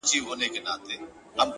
هره ناکامي د پوهې سرچینه ده.